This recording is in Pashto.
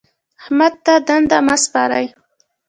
احمد ته دنده مه سپارئ.